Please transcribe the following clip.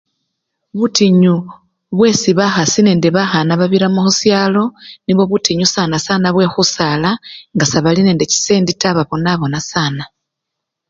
Butinyu bwesi bakhasi nende bakhana babiramo khushalo, nibwo butinyu sanasana bwekhusala nga sebali nende chisende taa babonabona sanaa